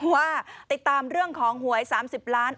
ว่าติดตามเรื่องของหวย๓๐ล้าน